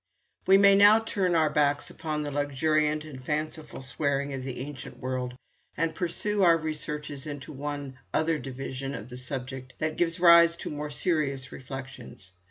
'_ We may now turn our backs upon the luxuriant and fanciful swearing of the ancient world and pursue our researches into one other division of the subject that gives rise to more serious reflections.